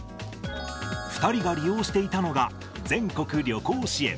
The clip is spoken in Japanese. ２人が利用していたのが、全国旅行支援。